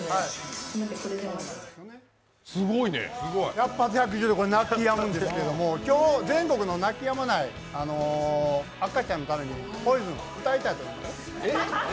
百発百中泣きやむんですけど今日、全国の泣きやまない赤ちゃんのために「ＰＯＩＳＯＮ」、歌いたいと思います。